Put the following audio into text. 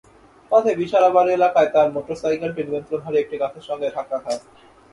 পথে বিশারাবাড়ি এলাকায় তাঁর মোটরসাইকেলটি নিয়ন্ত্রণ হারিয়ে একটি গাছের সঙ্গে ধাক্কা খায়।